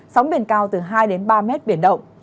sóng biển cao từ hai ba mét biển động